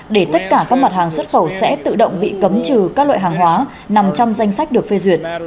để tất cả các mặt hàng xuất khẩu sẽ tự động bị cấm trừ các loại hàng hóa nằm trong danh sách được phê duyệt